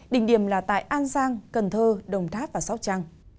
đỉnh điểm là tại an giang cần thơ đồng tháp và sóc trăng